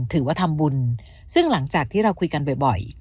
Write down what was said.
ถือว่าทำบุญซึ่งหลังจากที่เราคุยกันบ่อย